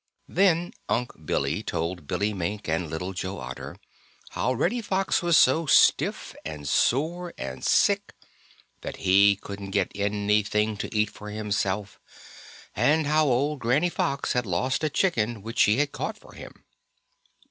Then Unc' Billy told Billy Mink and Little Joe Otter how Reddy Fox was so stiff and sore and sick that he couldn't get anything to eat for himself, and how old Granny Fox had lost a chicken which she had caught for him.